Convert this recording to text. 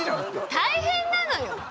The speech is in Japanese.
大変なのよ。